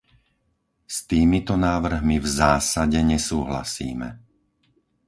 S týmito návrhmi v zásade nesúhlasíme.